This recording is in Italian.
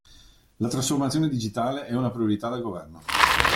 La trasformazione digitale è una priorità del Governo.